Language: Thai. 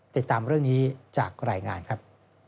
ติดตามเรื่องนี้จากรายงานครับ